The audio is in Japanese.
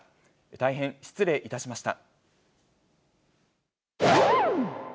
大変失礼いたしました。